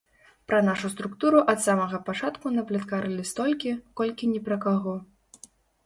Пра нашу структуру ад самага пачатку напляткарылі столькі, колькі ні пра каго.